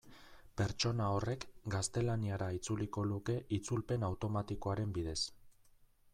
Pertsona horrek gaztelaniara itzuliko luke itzulpen automatikoaren bidez.